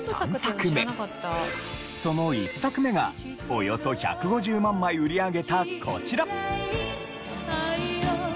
その１作目がおよそ１５０万枚売り上げたこちら。